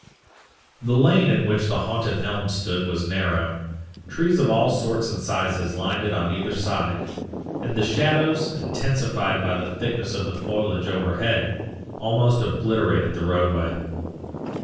"The lane in which the haunted elm stood was narrow, trees of all sorts and sizes lined it on either side, and the shadows, intensified by the thickness of the foliage overhead, almost obliterated the roadway.